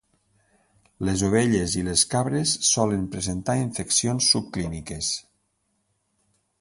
Les ovelles i les cabres solen presentar infeccions subclíniques.